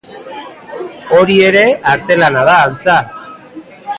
Hori ere artelana da, antza.